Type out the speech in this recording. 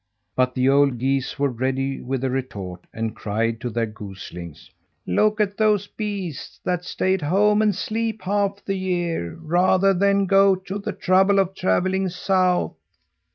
But the old geese were ready with a retort and cried to their goslings: "Look at those beasts that stay at home and sleep half the year rather than go to the trouble of travelling south!"